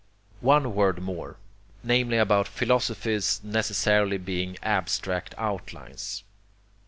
One word more namely about philosophies necessarily being abstract outlines.